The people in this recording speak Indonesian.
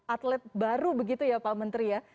atlet baru begitu ya pak menteri ya